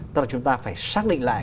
tức là chúng ta phải xác định lại